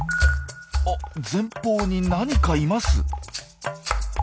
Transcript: あ前方に何かいます！